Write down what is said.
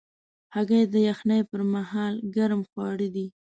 هګۍ د یخنۍ پر مهال ګرم خواړه دي.